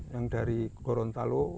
yang dari gorontalo